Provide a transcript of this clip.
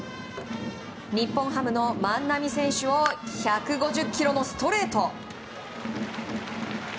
日本ハムの万波選手を１５０キロのストレート。